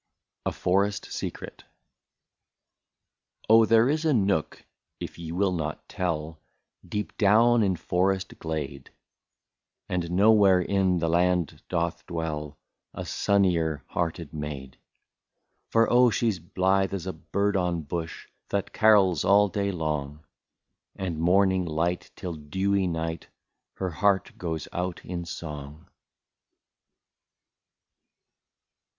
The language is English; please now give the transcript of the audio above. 139 A FOREST SECRET. Oh ! there is a nook — if ye will not tell Deep down in forest glade ; And nowhere in the land doth dwell, A sunnier hearted maid. For oh ! she 's blithe as bird on bush, That carols all day long, And morning light till dewy night, Her heart goes out in song.